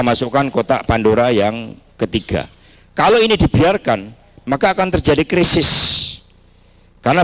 masukkan kotak pandora yang ketiga kalau ini dibiarkan maka akan terjadi krisis karena